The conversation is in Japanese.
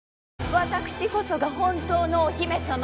私こそが本当のお姫さま！